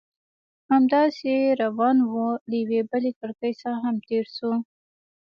همداسې روان وو، له یوې بلې کړکۍ څخه هم تېر شوو.